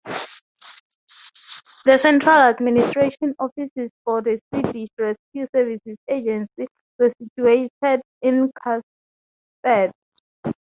The central administration offices for the Swedish Rescue Services Agency were situated in Karlstad.